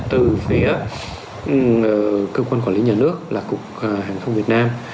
từ phía cơ quan quản lý nhà nước là cục hàng không việt nam